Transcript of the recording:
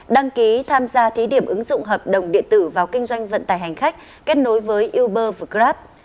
hà nội đã tham gia thí điểm ứng dụng hợp đồng điện tử vào kinh doanh vận tải hành khách kết nối với uber và grab